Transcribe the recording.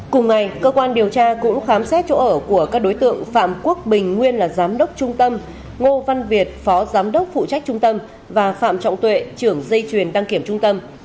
cùng ngày cơ quan điều tra cũng khám xét chỗ ở của các đối tượng phạm quốc bình nguyên là giám đốc trung tâm ngô văn việt phó giám đốc phụ trách trung tâm và phạm trọng tuệ trưởng dây chuyền đăng kiểm trung tâm